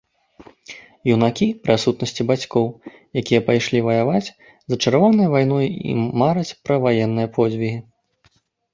Юнакі, пры адсутнасці бацькоў, якія пайшлі ваяваць, зачараваныя вайной і мараць пра ваенныя подзвігі.